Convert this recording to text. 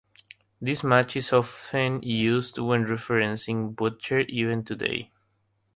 This match is often used when referencing Butcher even today.